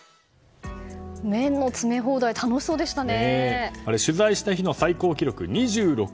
麺の詰め放題楽しそうでしたね。